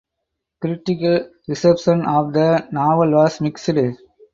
Critical reception of the novel was mixed.